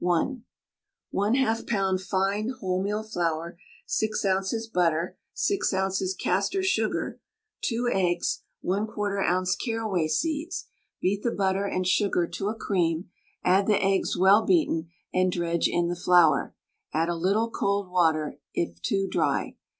1/2 lb. fine wholemeal flour, 6 oz. butter, 6 oz. castor sugar, 2 eggs, 1/4 oz. carraway seeds. Beat the butter and sugar to a cream, add the eggs well beaten, and dredge in the flour, add a little cold water it too dry.